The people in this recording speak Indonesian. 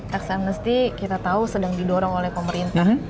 tax amnesty kita tahu sedang didorong oleh pemerintah